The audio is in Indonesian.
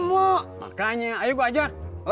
mau makanyarun tang